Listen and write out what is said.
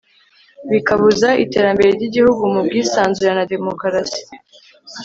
bikabuza iterambere ry'igihugu mu bwisanzure na demokarasi